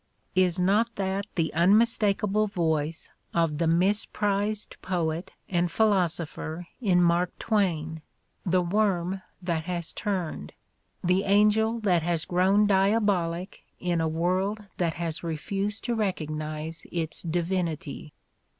Is not that the unmistakable voice of the misprized poet and philosopher in Mark Twain, the worm that has turned, the angel that has grown diabolic in a world that has refused to recognize its divinity